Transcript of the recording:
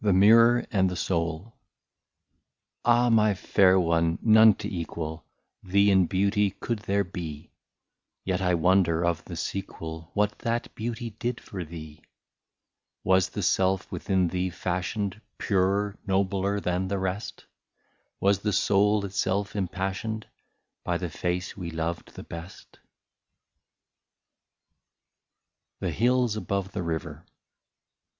THE MIRROR AND THE SOUL. Ah, my fair one, none to equal Thee in beauty could there be ; Yet I wonder of the sequel — What that beauty did for thee ? Was the self within thee fashioned. Purer, nobler, than the rest ; Was the soul itself impassioned By the face we loved the best ? THE HILLS ABOVE THE RIVER.